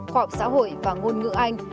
khoa học xã hội và ngôn ngữ anh